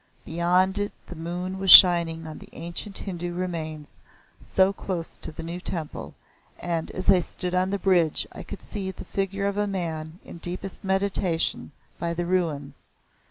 Beyond it the moon was shining on the ancient Hindu remains close to the new temple, and as I stood on the bridge I could see the figure of a man in deepest meditation by the ruins.